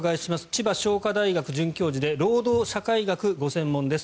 千葉商科大学准教授で労働社会学がご専門です